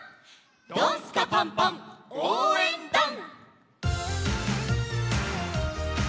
「ドンスカパンパンおうえんだん」。